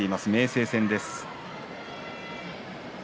明生戦です。